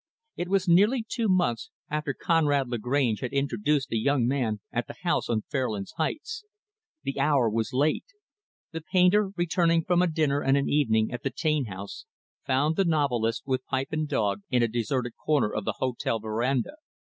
It was nearly two months after Conrad Lagrange had introduced the young man at the house on Fairlands Heights. The hour was late. The painter returning from a dinner and an evening at the Taine home found the novelist, with pipe and dog, in a deserted corner of the hotel veranda.